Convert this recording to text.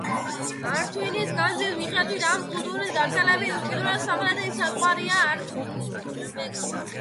ართვინის განძის მიხედვით, ამ კულტურის გავრცელების უკიდურესი სამხრეთი საზღვარია ართვინი.